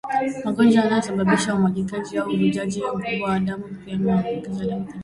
Magonjwa yanayosababisha umwagikaji au uvujaji mkubwa wa damu yakiwemo maambukizi ya damu kimeta